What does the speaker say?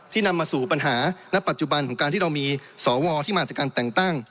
นำมาสู่ปัญหาณปัจจุบันของการที่เรามีสวที่มาจากการแต่งตั้ง